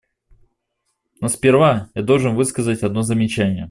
Но сперва я должен высказать одно замечание.